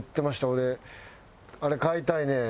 「俺あれ買いたいねん」